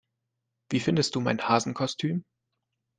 Wie findest du mein Hasenkostüm?